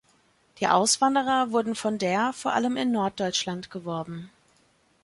Die Auswanderer wurden von der vor allem in Norddeutschland geworben.